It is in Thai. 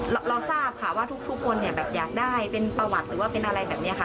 เราทราบค่ะว่าทุกคนเนี่ยแบบอยากได้เป็นประวัติหรือว่าเป็นอะไรแบบนี้ค่ะ